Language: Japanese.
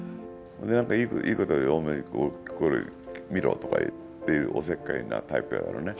なんかいいこと「これ見ろ」とか言ってるおせっかいなタイプだからね。